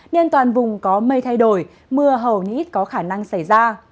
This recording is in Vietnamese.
nên toàn vùng có mây thay đổi mưa hầu như ít có khả năng xảy ra